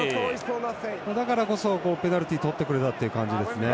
だからこそ、ペナルティとってくれた感じですね。